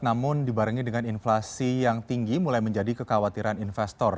namun dibarengi dengan inflasi yang tinggi mulai menjadi kekhawatiran investor